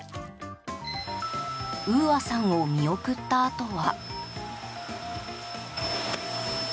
羽々愛さんを見送ったあとは。